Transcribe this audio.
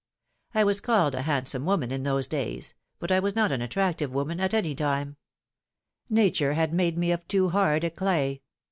I was called a handsome woman in those days ; but I was not an attractive woman at any time. Nature had 'made me of too hard a clay."